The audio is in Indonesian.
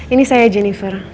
ini saya jennifer